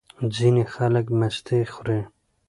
ځینې خلک مستې خوري.